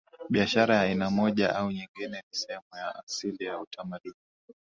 Biashara ya aina moja au nyingine ni sehemu ya asili ya utamaduni